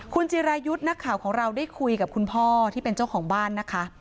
คุณจิรายุทธ์นักข่าวของเราได้คุยกับคุณพ่อที่เป็นเจ้าของบ้านนะคะ